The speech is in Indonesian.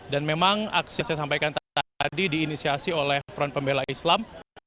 dan memang aksi yang saya sampaikan tadi diinisiasi oleh front pembela islam